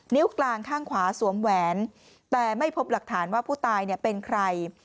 กลางข้างขวาสวมแหวนแต่ไม่พบหลักฐานว่าผู้ตายเป็นใคร